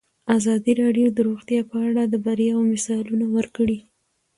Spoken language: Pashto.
ازادي راډیو د روغتیا په اړه د بریاوو مثالونه ورکړي.